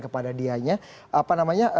kepada dianya apa namanya